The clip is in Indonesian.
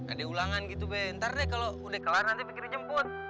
ada ulangan gitu be ntar deh kalau udah kelar nanti fikri jemput